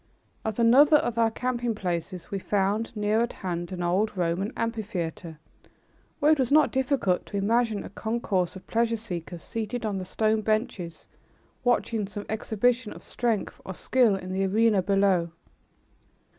At another of our camping places we found, near at hand, an old Roman amphitheater, where it was not difficult to imagine a concourse of pleasure seekers seated on the stone benches watching some exhibition of strength or skill in the arena below.